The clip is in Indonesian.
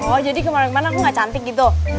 oh jadi kemarin mana aku ga cantik gitu